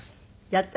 やった？